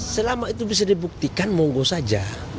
selama itu bisa dibuktikan monggo saja